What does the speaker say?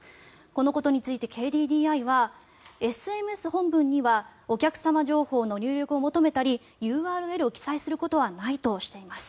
このことについてＫＤＤＩはＳＭＳ本文にはお客様情報の入力を求めたりＵＲＬを記載することはないとしています。